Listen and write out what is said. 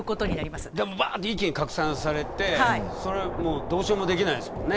一気に拡散されてどうしようもできないですよね。